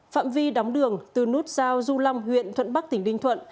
phạm vi đóng đường từ nút giao du long huyện thuận bắc tỉnh ninh thuận